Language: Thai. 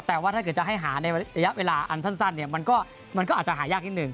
แต่ว่าถ้าเกิดจะให้หาในระยะเวลาอันสั้นเนี่ยมันก็อาจจะหายากนิดหนึ่ง